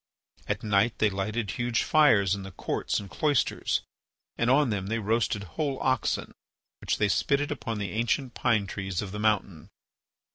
At night they lighted huge fires in the courts and cloisters and on them they roasted whole oxen which they spitted upon the ancient pine trees of the mountain.